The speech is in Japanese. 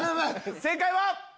正解は。